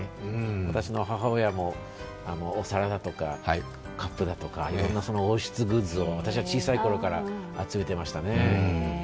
私の母親もお皿だとか、カップとかいろんな王室グッズを私が小さいころから集めていましたね。